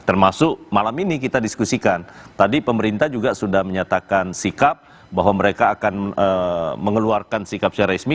termasuk malam ini kita diskusikan tadi pemerintah juga sudah menyatakan sikap bahwa mereka akan mengeluarkan sikap secara resmi